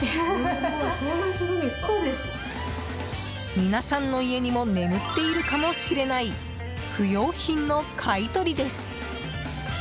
皆さんの家にも眠っているかもしれない不要品の買い取りです。